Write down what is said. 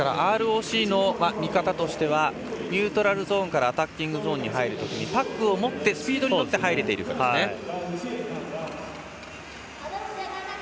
ＲＯＣの見方としてはニュートラルゾーンからアタッキングゾーンに入るときにパックを持ってスピードに乗って入れているかですね。